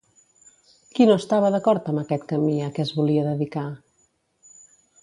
Qui no estava d'acord amb aquest camí a què es volia dedicar?